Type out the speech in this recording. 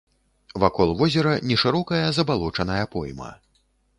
Вакол возера нешырокая забалочаная пойма.